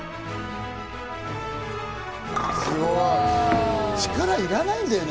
すごい！力いらないんだよね